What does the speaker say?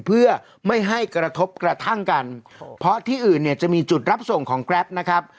เพื่อไม่ให้กระทบกระทั่งกันเพราะที่อื่นเนี่ยจะมีจุดรับส่งของแกรปนะครับ